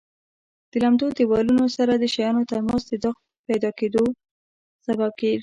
د لمد دېوالونو سره د شیانو تماس د داغ پیدا کېدو سبب ګرځي.